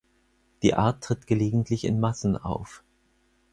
Die Art tritt gelegentlich in Massen auf.